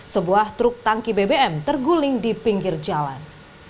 sebuah truk tangki bbm terguling di pinggir jalan